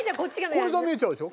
これじゃ見えちゃうでしょ？